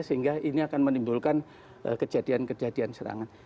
sehingga ini akan menimbulkan kejadian kejadian serangan